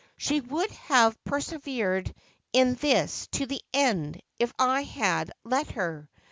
She would have persevered in this to the end, if I had let her.